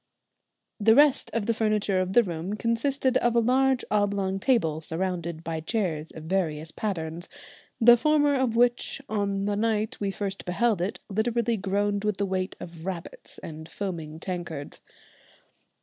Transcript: The rest of the furniture of the room consisted of a large oblong table, surrounded by chairs of various patterns, the former of which on the night we first beheld it literally groaned with the weight of "rabbits" and foaming tankards.